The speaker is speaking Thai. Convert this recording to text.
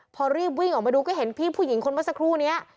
พอรีบวิ่งออกมาดูก็เห็นพี่ผู้หญิงคนเมื่อสักครู่นี้